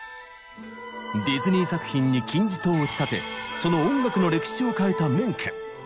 ディズニー作品に金字塔を打ち立てその音楽の歴史を変えたメンケン。